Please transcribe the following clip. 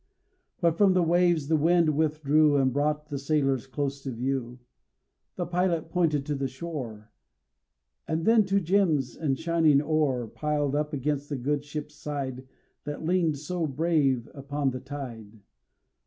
But from the waves the wind withdrew And brought the sailors close to view. The pilot pointed to the shore, And then to gems and shining ore Piled up against the good ship's side That leaned so brave upon the tide.